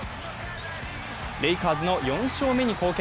レイカーズの４勝目に貢献。